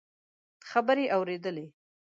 خبرې اورېدلې.